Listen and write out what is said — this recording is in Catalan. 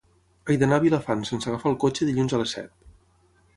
He d'anar a Vilafant sense agafar el cotxe dilluns a les set.